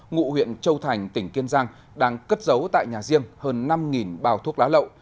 ngụ huyện châu thành tỉnh kiên giang đang cất giấu tại nhà riêng hơn năm bào thuốc lá lậu